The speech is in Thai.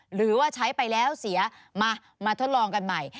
หรือว่าใช้ไปแล้วเสียมาทดลองกันใหม่